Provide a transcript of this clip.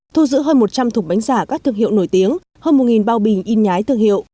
thu giữ hơn một trăm linh thùng bánh giả các thương hiệu nổi tiếng hơn một bao bình in nhái thương hiệu